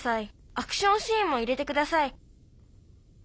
「アクションシーンも入れてください」。